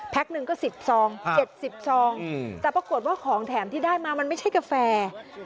หนึ่งก็๑๐ซอง๗๐ซองแต่ปรากฏว่าของแถมที่ได้มามันไม่ใช่กาแฟ